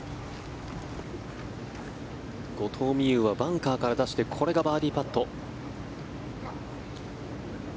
後藤未有はバンカーから出してこれがバーディーパット。